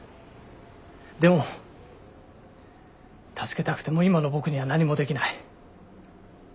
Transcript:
でも助けたくても今の僕には何もできない。